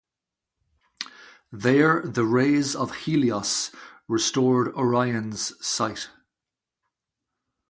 There the rays of Helios restored Orion's sight.